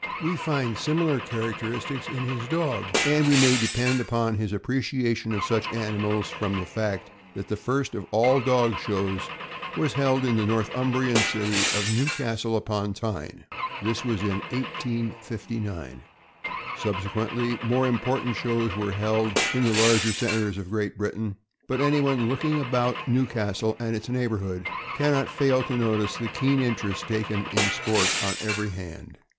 * We naturally find similar characteristics in his dogs, and we may depend upon his appreciation of such animals from the fact that the first of all dog shows was held in the Northumbrian city of Newcastle upon Tyne. This was in 1859. Subsequently, more important shows were held in the larger centers of Great Britain; but anyone looking about Newcastle and its neighborhood can not fail to notice the keen interest taken in sport on every hand.